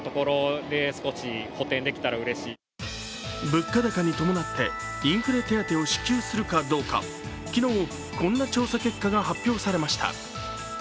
物価高に伴ってインフレ手当を支給するかどうか昨日、こんな調査結果が発表されました。